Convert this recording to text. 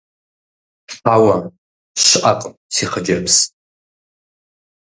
Хьэуэ, щыӏэкъым, си хъыджэбз.